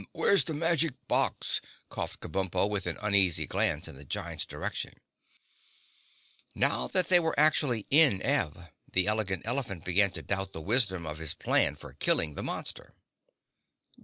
"Where's the Magic Box?" coughed Kabumpo, with an uneasy glance in the giant's direction. Now that they were actually in Ev, the Elegant Elephant began to doubt the wisdom of his plan for killing the monster.